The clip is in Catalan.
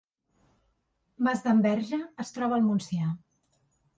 Masdenverge es troba al Montsià